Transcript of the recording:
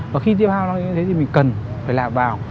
và khi tiếp hao nó như thế thì mình cần phải lạc vào